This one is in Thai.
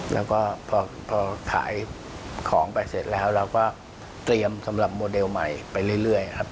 แล้วก็พอขายของไปเสร็จแล้วเราก็เตรียมสำหรับโมเดลใหม่ไปเรื่อยครับ